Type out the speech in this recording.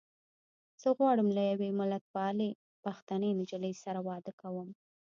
زه غواړم له يوې ملتپالې پښتنې نجيلۍ سره واده کوم.